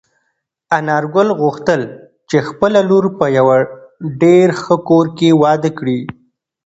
انارګل غوښتل چې خپله لور په یوه ډېر ښه کور کې واده کړي.